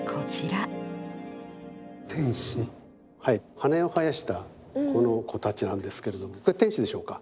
羽を生やしたこの子たちなんですけれども天使でしょうか？